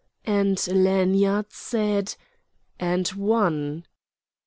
And Lanyard said: "And one."